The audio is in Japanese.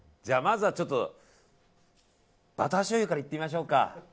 じゃあ、まずはちょっとバターしょうゆからいってみましょうか。